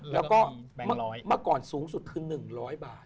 แล้วก็เมื่อก่อนสูงสุดคือ๑๐๐บาท